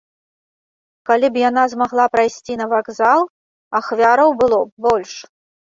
Калі б яна змагла прайсці на вакзал, ахвяраў было б больш.